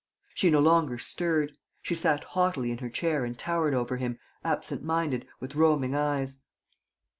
She no longer stirred. She sat haughtily in her chair and towered over him, absent minded, with roaming eyes.